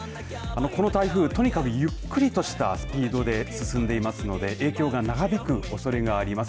この台風とにかくゆっくりとしたスピードで進んでいますので影響が長引くおそれがあります。